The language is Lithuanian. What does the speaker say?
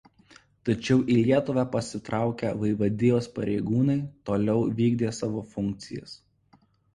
Tačiau į Lietuvą pasitraukę vaivadijos pareigūnai toliau vykdė savo funkcijas.